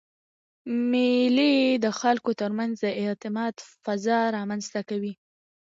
مېلې د خلکو ترمنځ د اعتماد فضا رامنځ ته کوي.